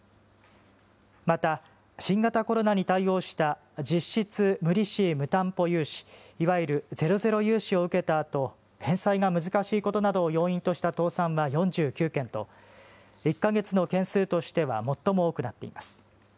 また、新型コロナに対応した実質無利子・無担保融資、いわゆるゼロゼロ融資を受けたあと、返済が難しいことなどを要因とした倒産は４９件と、１か月の件数としては最も多くなっています。